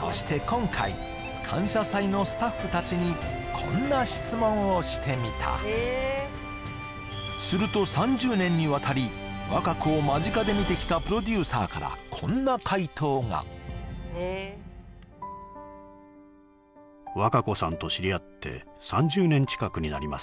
そして今回「感謝祭」のスタッフ達にこんな質問をしてみたすると３０年にわたり和歌子を間近で見てきたプロデューサーからこんな回答がえっそりゃあ